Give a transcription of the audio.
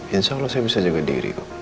insya allah saya bisa jaga diri